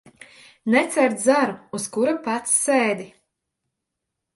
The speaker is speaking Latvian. Necērt zaru, uz kura pats sēdi.